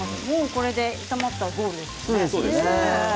これで炒まったらゴールですよね。